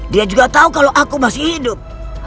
dia juga tahu kalau aku masih hidup